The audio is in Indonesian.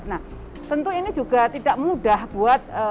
nah tentu ini juga tidak mudah buat